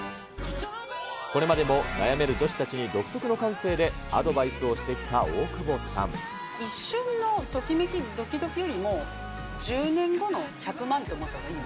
これまでも悩める女子たちに独特の感性でアドバイスをしてきた大一瞬のときめき、どきどきよりも、１０年後の１００万と思ったほうがいい。